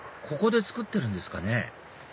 ここで作ってるんですかね